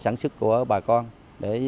sản xuất của bà con để